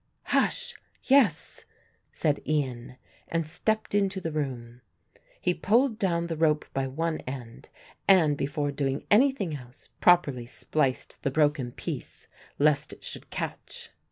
"Hush, yes," said Ian, and stepped into the room. He pulled down the rope by one end and, before doing anything else, properly spliced the broken piece lest it should catch.